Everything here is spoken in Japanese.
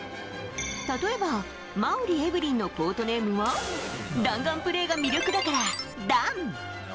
例えば馬瓜エブリンのコートネームは弾丸プレーが魅力だから、ダン。